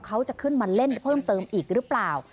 เขาจะขึ้นมาเล่นเพิ่มเติมอีกหรือเปล่า